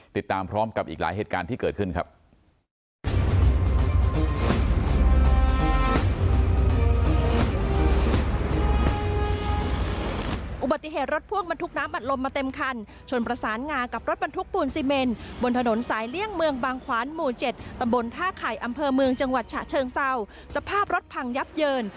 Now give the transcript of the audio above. ติดตามพร้อมกับอีกหลายเหตุการณ์ที่เกิดขึ้นครับ